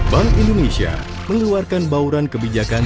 bank indonesia mengeluarkan bauran kebijakan